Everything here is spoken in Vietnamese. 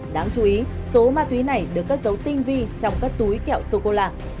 đáng chú ý số ma túy này được cất dấu tinh vi trong các túi kẹo sô cô la